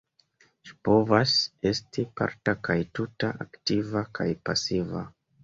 Ĝi povas esti parta kaj tuta, aktiva kaj pasiva.